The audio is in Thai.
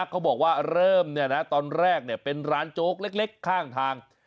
เจ้าบอกว่าเริ่มเนี่ยนะตอนแรกเนี่ยเป็นร้านโจ๊กเล็กข้าง